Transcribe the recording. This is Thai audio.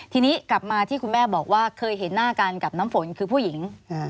ทีนี้กลับมาที่คุณแม่บอกว่าเคยเห็นหน้ากันกับน้ำฝนคือผู้หญิง